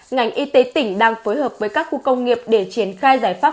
ngành y tế tỉnh đang phối hợp với các khu công nghiệp để triển khai giải pháp